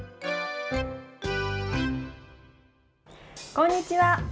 こんにちは。